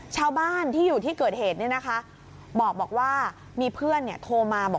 ชาวบ้านที่อยู่ที่เกิดเหตุบอกว่ามีเพื่อนโทรมาบอก